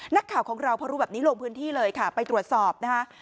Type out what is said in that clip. นักข่าวของเราพอรู้แบบนี้ลงพื้นที่เลยค่ะไปตรวจสอบนะคะ